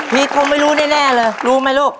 มีคงไม่รู้แน่เลยรู้ไหมลูก